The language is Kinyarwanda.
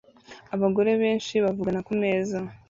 Abagore benshi bavugana kumeza